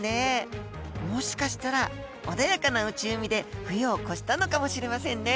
もしかしたら穏やかな内海で冬を越したのかもしれませんね。